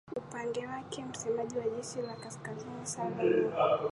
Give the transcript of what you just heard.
upande wake msemaji wa jeshi la kaskazini sara will